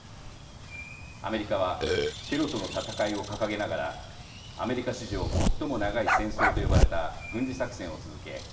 アメリカはテロとの戦いを掲げながらアメリカ史上最も長い戦争と呼ばれた軍事作戦を続け